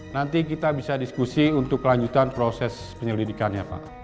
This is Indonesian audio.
nanti kita bisa diskusi untuk kelanjutan proses penyelidikannya pak